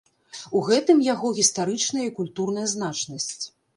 У гэтым яго гістарычная і культурная значнасць.